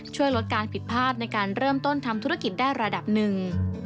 ช่วยลดการผิดพลาดในการเริ่มต้นทำธุรกิจได้ระดับหนึ่ง